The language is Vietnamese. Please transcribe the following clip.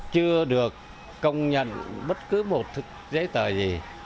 chưa được công nhận bất cứ một giấy tờ gì